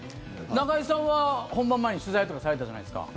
中居さんは本番前に取材とかされたじゃないですか。